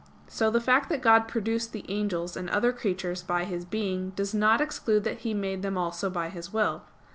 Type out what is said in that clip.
So the fact that God produced the angels and other creatures by His being does not exclude that He made them also by His will.